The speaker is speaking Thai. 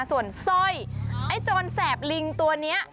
ส่วนสร้อยไอ้โจรแสบลิงตัวนี้